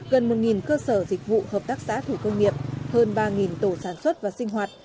gần một cơ sở dịch vụ hợp tác xã thủ công nghiệp hơn ba tổ sản xuất và sinh hoạt